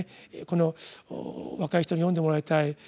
この若い人に読んでもらいたい。